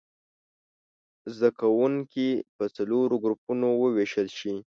زده کوونکي په څلورو ګروپونو ووېشل شي.